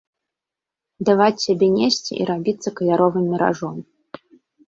Даваць сябе несці і рабіцца каляровым міражом.